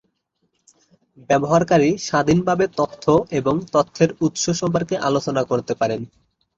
ব্যবহারকারী স্বাধীনভাবে তথ্য এবং তথ্যের উৎস সম্পর্কে আলোচনা করতে পারেন।